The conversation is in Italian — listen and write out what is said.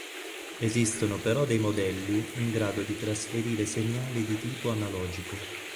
Esistono però dei modelli in grado di trasferire segnali di tipo analogico.